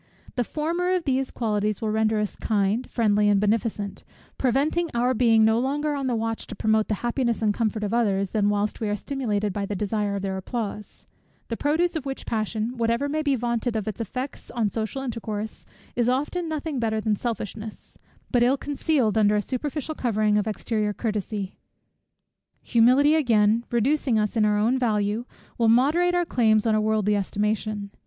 The former of these qualities will render us kind, friendly, and beneficent, preventing our being no longer on the watch to promote the happiness or comfort of others, than whilst we are stimulated by the desire of their applause; the produce of which passion, whatever may be vaunted of its effects on social intercourse, is often nothing better than selfishness, but ill concealed under a superficial covering of exterior courtesy. Humility, again, reducing us in our own value, will moderate our claims on worldly estimation.